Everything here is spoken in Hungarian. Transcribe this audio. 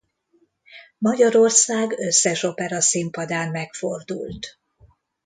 Magyarország összes operaszínpadán megfordult.